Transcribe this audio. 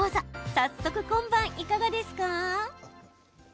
早速、今晩いかがですか？